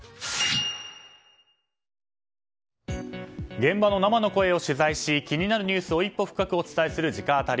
現場の生の声を取材し気になるニュースを一歩深くお伝えする直アタリ。